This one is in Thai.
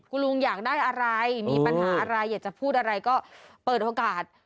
คุณลุงอยากได้อะไรมีปัญหาอะไรอยากจะพูดอะไรก็เปิดโอกาส